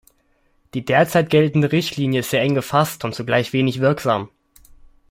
Die derzeit geltende Richtlinie ist sehr eng gefasst und zugleich wenig wirksam.